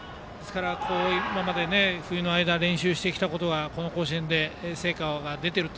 今まで冬の間練習してきたことがこの甲子園で成果が出ていると。